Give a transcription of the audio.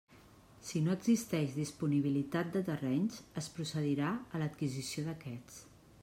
Si no existeix disponibilitat de terrenys, es procedirà a l'adquisició d'aquests.